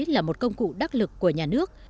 là một công cụ đắc lực của nhà nước